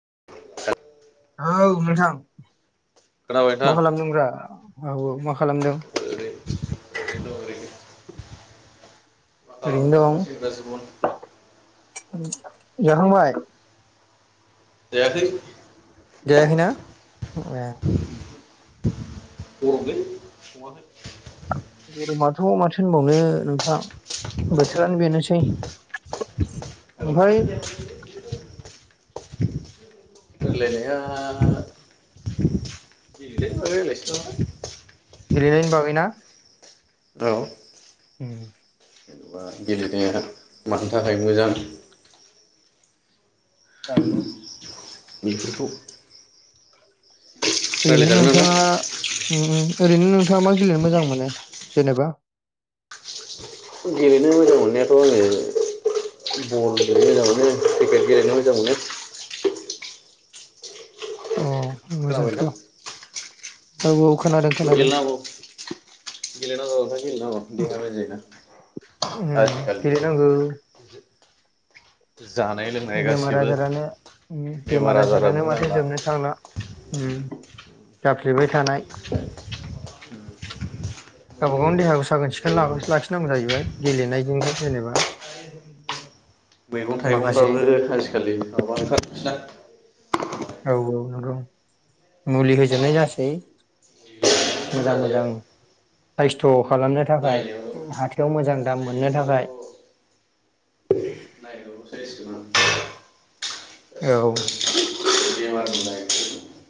[inaudible] औ नोंथां खोनाबाय मा नोंथां खालामदोंब्रा? औ औ मा खालामदों? ओरै ओरै दं ओरै ओरैनो दं [unintelligible] जिबन जाखांबाय? जायाखै। जायाखैना ए गरमलै संयाखैनो गरमाथ' माथो होनबावनो नोंथाङा बोथोरानो बेनोसै औ ओमफाय राज्लायनाया [unintelligible] गेलेनायनि बागैना औ उम जेन'बा गेलेनाया मानो थाखाय मोजां जायो बेफोरखौ ओरैनो रायलायजागोन ना नोंथाङा नोंथां उम ओरैनो नोंथाङा मा गेलेनो मोजां मोनो जेनेबा गेलेनो मोजां मोननायाथ' आङो बल गेलेनो मोजां मोनो क्रिकेट गेलेनो मोजां मोनो। औ खोनाबाय मोजांथ' औ नोंथां औ खोनादों खोनादों गेलेनांगौ गेलेनांगौ ओमफ्राय गेलेनांगौ। उम गेलेनांगौ जानाय लोंनाय बेमार गासिबो आजारानो बेमार आजारा आजारानो माथो बुंनांला जोबनो थांला उम जाफ्लेबाय थानाय गावबा गावनि देहाखौ साखोन सिखोन मैगं लाखिनांगौ जाहैबाय गेलेनायजोंनो जेनेबा। मैगं माखासे थाइगंफ्राबो आजिखालि माबा ओंखारसा औ औ नंगौ मुलि होजोबनाय जासै मोजां जाजाया मोजां साइस्थ' खालामनो थाखाय नायनायाव हाथायाव मोजां दाम मोननो थाखाय। नायनायावल' नायनायावल' नायनायावल'सो इसेबां गासिबो औ [unintelligible]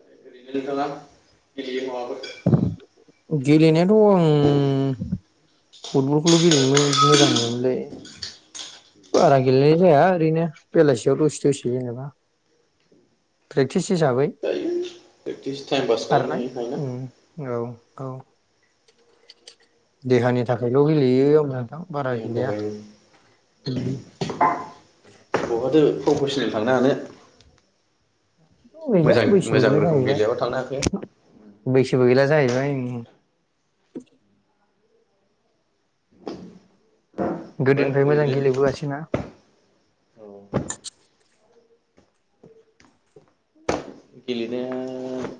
ओरैनो नोंथाङा गेलेयो माबाफोर गेलेनायाथ' आं फुटबलखौल' गेलेनो मोजां मोनोमोनलै, बारा गेलेनाय जाया ओरैनो बेलासियाव दसे दसे जेनेबा प्रेक्टिस हिसाबै। इसि टाइम पास खालामनो खारनाय हायोना? उम औ औ देहानि थाखायल' गेलेयो, औ नोंथां बारा देहानि गेलेया। थाखाय [unintelligible] बहाथ' प्रफेसनेल थांनो हानो! गैला मोजां बैसोबो मोजां गैला रोखोम गेलेयाबा थांनो हाखाया। बो गैला जाहैबाय ओम। ओमफ्राय गोदोनिफ्राय मोजां ओरैनो गेलेबोआसै ना। औ गेलेनाया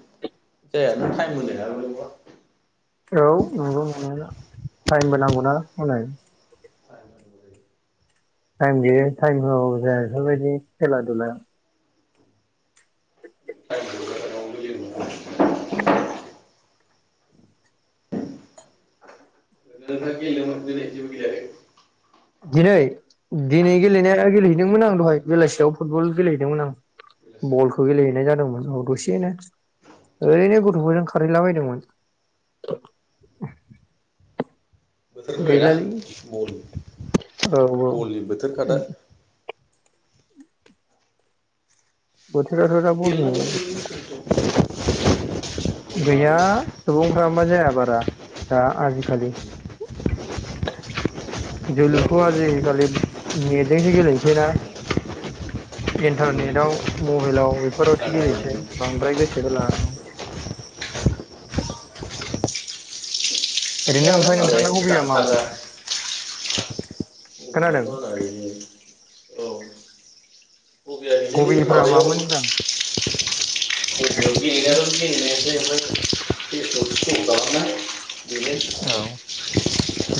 जाया नों थाइम होनो हायाबालाय बहा? औ नंगौ नंनाया टाइमबो नांगौ ना होनो। टाइम गैया टाइम होआबाबो जाया बेफोरबायदि खेला दुला [unintelligible] गेलेदोंमोन दिनै जेबो गेलेयाखै दिनै, दिनै गेलेनाया गेलेहैदोंमोन आं दहाय बेलासियाव फुटबल गेलेहैदोंमोन आं। बेलासियाव बलखौ गेलेहैनाय जादोंमोन औ दसेनो। ओरैनो गथ'फोरजों खारहैलाबायदोंमोन। बोथोर फैबायना गैलालै बल औ औ। बलनि बोथोरखा दा बोथोराथ' दा बलनि गेलेनांगौ गैया सुबुंफ्राबा जाया बारा दा आजिखालि। जोलुरखौ आजिखालि नेटजोंसो गेलेनोसै ना? इन्टारनेटाव मबाइलाव बेफोरावसो गेलेनोसै बांद्राय गोसो होला औ। ओरैनो ओमफ्राय नालाय नोंथांना हबिया मामोन? थाखा हबियाथ' खोनादों? आंना ओरैनो औ हबिया बिदिलै हबिफ्रा माबायाव मामोन होनदों? हबियाव होम? गेलेनायाथ' गेलेनायासै ओमफ्राय फेसबुक स्क्रल खालामनाय बेनो। औ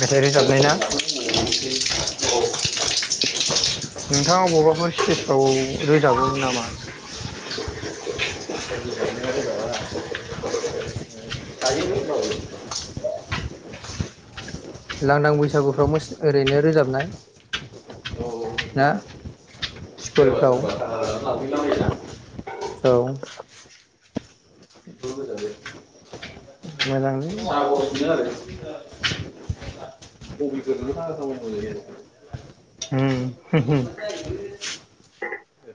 मेथाइ रोजाबनाय ना सोरबा नोंथाङा बबेबाफोर स्टेजफ्राव रोजाबोमोन नामा? लांदां बैसागुफ्राव मोस ओरैनो रोजाबनाय ना स्कुलफ्राव सोरबा थाला लाफैलाबायोना औ। मोजांलै। साहा हरफिनो आरो बबिफोरनो थाखा खामायनांगौ जायो आरो होम।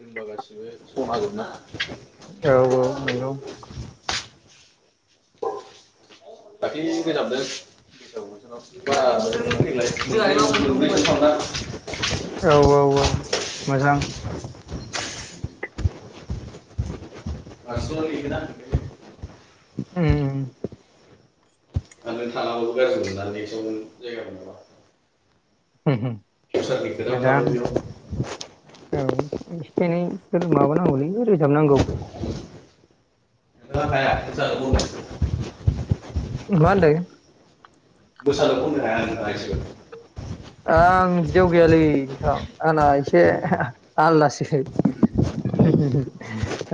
रोंबा [unintelligible] औ औ नंगौ। दाख्लि रोजाबदों बैसागु बोथोराव बारा देग्लाय मोनब्रैसो थांदां औ औ औ मोजां। हारसिंल' लिंगोन आं उम। आंनो थाङाबाबो गाज्रि मोना नेक्स्टआव जायगा मोनाबा होम होम दस्रानि खोथाबो मोजां थाबाय बेयाव औ एसे एनै माबानांगौलै रोजाबनांगौ। नोंथाङा हाया मोसानो खननो मा होनदों? [unintelligible] [unintelligible] आं बिदियाव गैयालै नोंथां। आंना एसे एसेबो आलदासो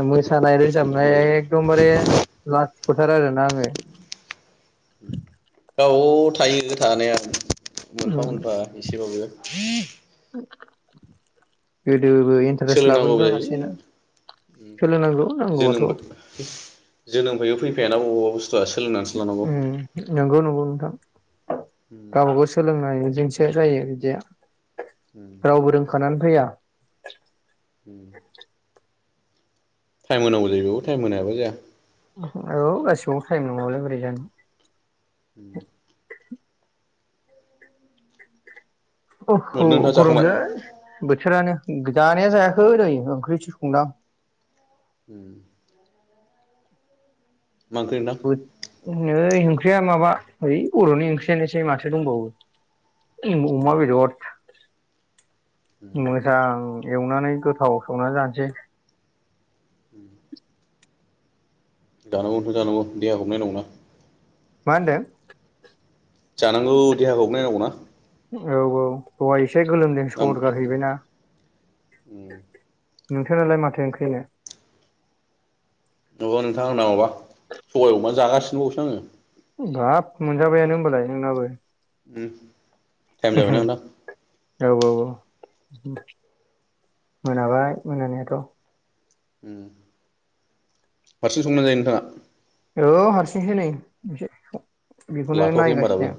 मोसानाय रोजाबनाय एखदमबारे लाथिख'थार आरोना आङो। गाव थायो थानाया मोनफा उम मोनफा एसेबाबो गोदो बो इन्टारेस्ट सोलोंनांगौ लाबोनो जायो रोङासैना। सोलोंनांगौ नांगौआथ' जोनोम जोनोमफबो फैफायाना बबावबा नंगौ नंगौ नोंथां। गावबागाव सोलोंनाय न'जोंसो जायो बिदिया रावबो रोंखानानै फैया। उम। टाइम होनांगौ जायो बेयावबो टाइम होनोहायाबा जाया। औ गासिबावबो टाइम नङाबालाय बोरै जानो। उम। अहु नोंथाङा जाखांबाय गरमलै बोथोरानो जानाया जायाखै नै ओंख्रिसो संदां। उम। मा ओंख्रि नोंथां। नै ओंख्रिया माबा ओइ बर'नि ओंख्रियानोसै माथो दंबावो। अमा बेदर मोजां एवनानै गोथाव संनान जानसै। उम। जानांगौथ' जानांगौ देहाखौबो नायनांगौना। मा होनदों? जानांगौ देहाखौ नायनांगौना।। औ औ बाय एसे गोलोमदै आं सर गारहैबायना। नोंथांनालाय माथो ओंख्रिनो। नंगौ नोंथां आंना माबा सबाइ अमा जागासिनोबावोसो आङो। बाब मोनजाबायानो होनबालाय नोंनाबो। द टाइम जाबायना नोंथां। औ औ औ मोनाबाय मोनानायाथ'। हारसिं संनानै जायो नोंथाङा। औ हारसिंसो नै। बेखौनो लाथ'वाखै होनबादाबो नायगासिनो।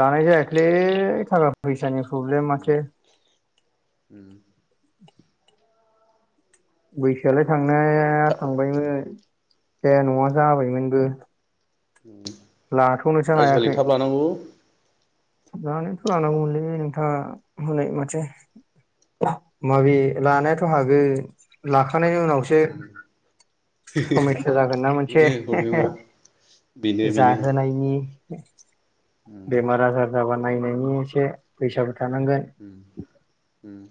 लानाय जायाखैलै थाखा फैसानि। प्रब्लेम उ माथो उ। बैसोआलाय थां थांनाया थांबायमोन। दे न'आ जाबायमोनबो। [inaudible] लाथ'नोसो आजिखालि हायाखै। थाब लानांगौ लानायाथ' लानांगौमोनलै नोंथां। हनै माथो माबे लानायाथ' हागोन ला खांनायनि उनावसो समायखिरा जागोन ना मोनसे बेनो प्रब्लेमा बेनो [unintelligible] बेनो जाहोनायनि। [inaudible] बेमार आजार जागा नायनायनि एसे फैसाबो थानांगोन उम उम।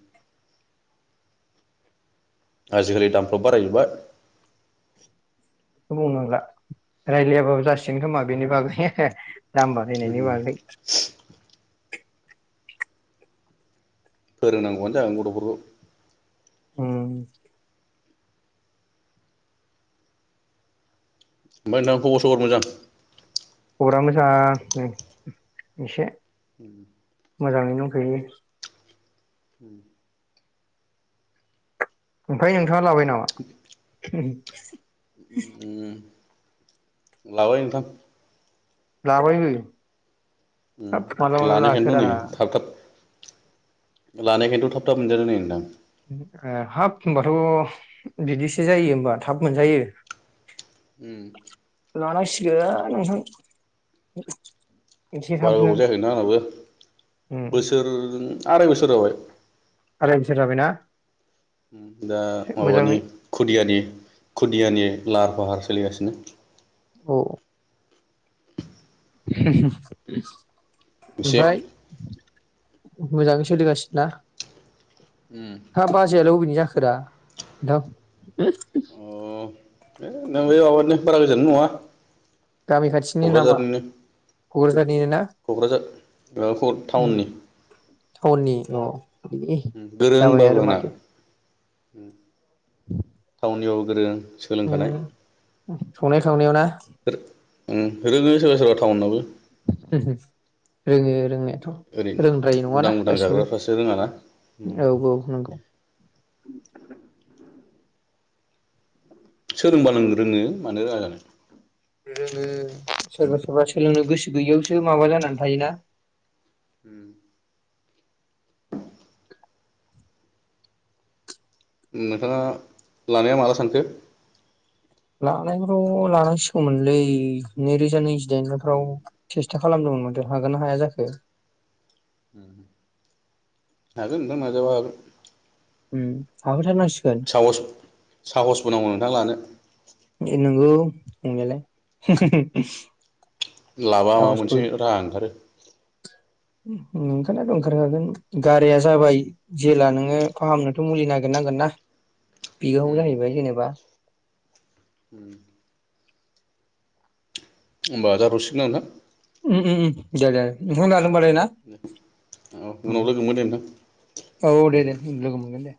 आजिखालि दामफ्राबो बाराय जोबबाय। बुंनांला रायलायाबाबो जासिगोन खोमा बेनि बागै [unintelligible] दाम बारायनायनि बागै। [inaudible] फोरोंनांगौआनो जागोन गथ'फोरखौ। होम। ओमफ्राय नोंथां खबर सबर मोजां? खबरा मोजां एसे। उम। मोजाङैनो दंथ'यो। उम। ओमफाय नोंथाङा लाबाय नामा? [inaudible] लाबाय नोंथां। लाबायबो उम हाब माला माला लानायखायन्थ' लाखोरा नै थाब थाब लानायखायन्थ' थाब थाब मोनजादों नै नोंथां। हाब होनबाथ' बिदिसो जायो होनबा थाब मोनजायो। उम। [unintelligible] नोंथां एसे बारा थाबनो गोबाव जायाखै नोंथां आंनाबो उम बोसोर आराय बोसोर जाबाय। आराय बोसोर जाबाय ना? दा माबानि खुदियानि खुदियानि लाहार फाहार सोलिगासिनो। औ। [unintelligible] एसे ओमफाय। मोजाङै सोलिगासिना उम हा बाजैयालाइ अबेनि जाखोरा नोंथां अ नों बे माबानिनो बारा गोजोन नङा गामि खाथिनि नामा क'क्राझारनिनो [inaudible] क'क्राझार उम टाउननि टाउननि औ गोरों होनबाबो म [inaudible] [inaudible] टाउननि बाबो गोरों सोलोंखानाय संनाय खावनायाव ना रोङो सोरबा सोरबा टाउनावबो रोङो रोंनायाथ' ओरैनो रोंद्राय नङाना उदां उदां गासिबो जाग्राफ्रासो रोङाना औ औ नंगौ सोरोंबा नों रोङो मानो रोङा जानो रोङो सोरबा सोरबा सोलोंनो गोसो गैयि आवसो माबा जानानै थायोना हम नोंथाङा लानाया माला सानखो लानायथ' लानांसिगौमोनलै नैरोजा नैजि दाइनफ्राव खोथा खालामदोंमोन माथो हागोन ना हाया जाखो हागोन नोंथां नाजाबा हागोन उम हाबो थानो हासि। साहस साहसबो नांगौ नोंथां लानो। नोंनिआलाय। लाबा माबा मोनसे राहा ओंखारो। ओंखाथ' ओंखारखागोन गारिया जाबाय जेब्ला नोङो फाहामनोथ' मुलि नागिरनांगोन ना। बिगाव जाहैबाय जेनेबा। उ। होमबा जाथ'सिगोना नोंथां। उ उ दे दे। नोंखौ ला लबालाय ना औ उनाव लोगो मोनगोन दे नोंथां औ दे दे लोगो मोनगोन दे।